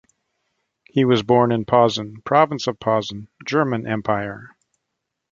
He was born in Posen, Province of Posen, German Empire.